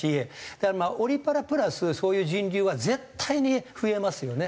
だからオリパラプラスそういう人流は絶対に増えますよね。